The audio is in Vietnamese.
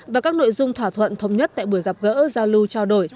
và các nội dung thỏa thuận thống nhất tại buổi gặp gỡ giao lưu trao đổi